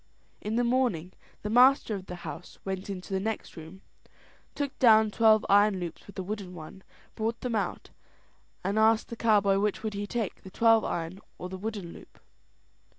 In the morning the master of the house went into the next room, took down the twelve iron loops with a wooden one, brought them out, and asked the cowboy which would he take, the twelve iron or the one wooden loop.